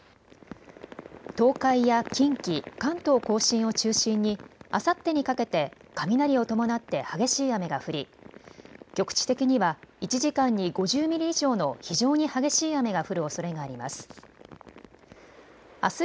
東海や近畿、関東甲信を中心にあさってにかけて雷を伴って激しい雨が降り局地的には１時間に５０ミリ以上の非常に激しい雨が降るおそれがあります。